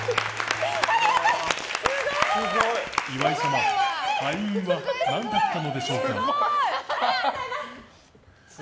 岩井様敗因は何だったのでしょうか？